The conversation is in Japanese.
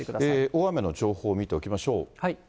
大雨の情報を見ておきましょう。